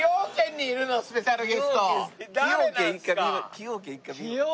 崎陽軒一回見よう。